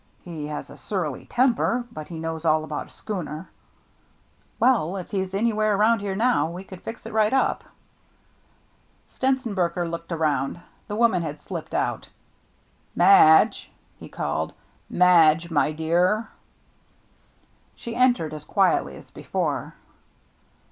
He has a surly temper, but he knows all about a schooner." "Well, — if he's anywhere around here now, we could fix it right up." Stenzenberger looked around. The woman had slipped out. " Madge," he called ;" Madge, my dear." She entered as quietly as before.